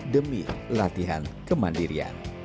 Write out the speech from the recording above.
demi latihan kemandirian